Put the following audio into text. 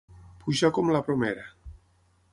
Pujar com la bromera.